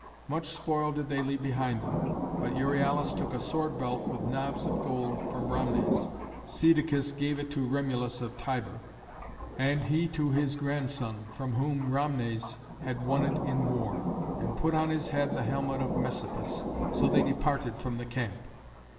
Much spoil did they leave behind them; but Euryalus took a sword belt with knobs of gold from Rhamnes Cædicus gave it to Remulus of Tibur, and he to his grandson, from whom Rhamnes had won it in war and put on his head the helmet of Messapus. So they departed from the camp.